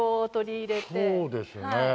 そうですね。